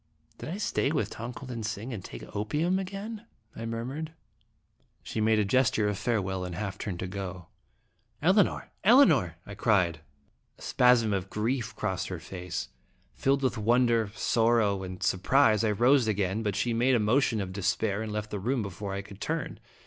" Did I stay with Tong ko lin sing, and take opium again?" I murmured. She made a gesture of farewell and half turned to go. "Elinor! Elinor!" I cried. A spasm of grief crossed her face. Filled with wonder, sorrow, and surprise, I rose again, but she made a motion of despair and left the room before I could turn.